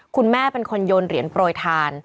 คุณแม่เป็นคนโยนเหรียญโปรยทาน